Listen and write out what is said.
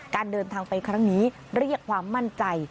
การเดินทางไปครั้งนี้เรียกความมั่นใจ